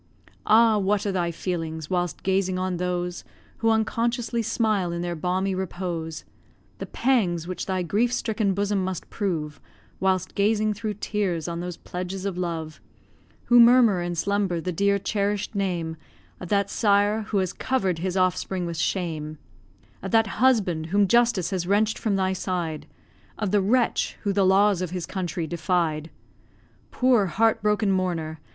Ah, what are thy feelings, whilst gazing on those, Who unconsciously smile in their balmy repose, The pangs which thy grief stricken bosom must prove Whilst gazing through tears on those pledges of love, Who murmur in slumber the dear, cherish'd name Of that sire who has cover'd his offspring with shame, Of that husband whom justice has wrench'd from thy side Of the wretch, who the laws of his country defied? Poor, heart broken mourner!